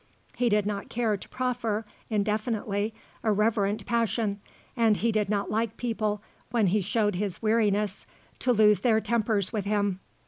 He did not care to proffer, indefinitely, a reverent passion, and he did not like people, when he showed his weariness, to lose their tempers with him.